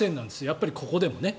やっぱりここでもね。